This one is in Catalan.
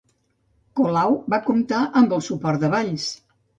Colau va comptar amb el suport de Valls